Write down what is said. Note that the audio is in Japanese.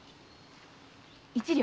一両？